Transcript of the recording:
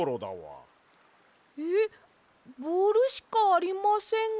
えっボールしかありませんが。